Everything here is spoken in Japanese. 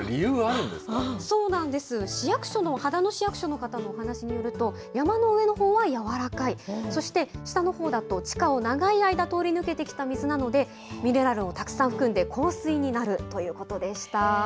こそうなんです、市役所の、秦野市役所の方のお話によると、山の上のほうは軟らかい、そして、下のほうだと地下を長い間通り抜けてきた水なので、ミネラルをたくさん含んで硬水になるということでした。